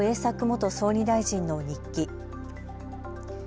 元総理大臣の日記。